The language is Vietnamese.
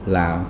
là không có